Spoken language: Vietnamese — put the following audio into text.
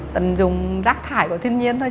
tần dùng rác thải của thiên nhiên thôi